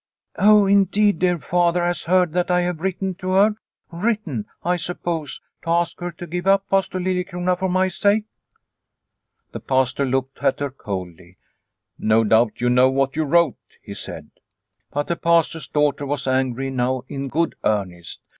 " Oh, indeed, dear Father has heard that I have written to her, written, I suppose, to ask her to give up Pastor Liliecrona for my sake ?" The Pastor looked at her coldly. " No doubt you know what you wrote," he said. But the Pastor's daughter was angry now in good earnest.